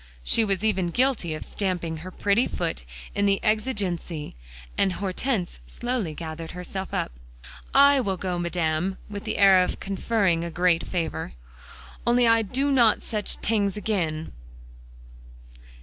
She was even guilty of stamping her pretty foot in the exigency, and Hortense slowly gathered herself up. "I will go, Madame," with the air of conferring a great favor, "only I do not such t'ings again."